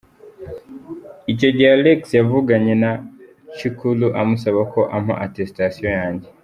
Icyo gihe Alexis yavuganye na Cikuru amusaba ko ampa attestation yanjye.